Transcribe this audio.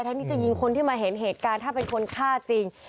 ที่จะยิงคนที่มาเห็นเหตุการณ์ถ้าเป็นคนฆ่าจริง